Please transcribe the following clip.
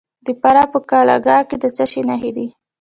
د فراه په قلعه کاه کې د څه شي نښې دي؟